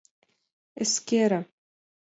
Эскере.